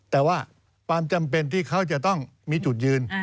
แต่ว่าความจำเป็นที่เขาจะต้องมีจุดยืน